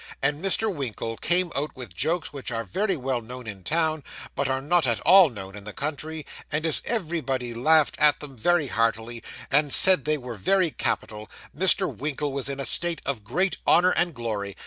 And Mr. Winkle came out with jokes which are very well known in town, but are not all known in the country; and as everybody laughed at them very heartily, and said they were very capital, Mr. Winkle was in a state of great honour and glory.